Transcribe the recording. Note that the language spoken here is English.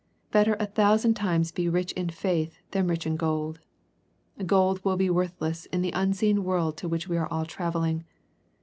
Better a thousand times be rich in faith than rich in gold. Gold will be worthless in the unseen world to which we are all travelling.